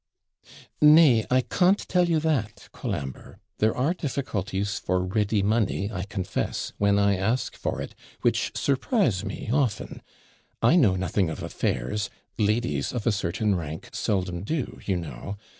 Nay, I CAWNT tell you that, Colambre. There are difficulties for ready money, I confess, when I ask for it, which surprise me often. I know nothing of affairs ladies of a certain rank seldom do, you know.